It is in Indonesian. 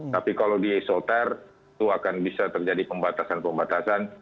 tapi kalau disoter itu akan bisa terjadi pembatasan pembatasan